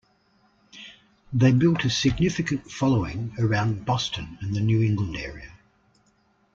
They built a significant following around Boston and the New England area.